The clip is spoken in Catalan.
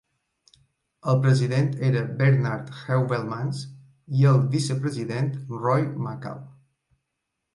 El president era Bernard Heuvelmans i el vicepresident, Roy Mackal.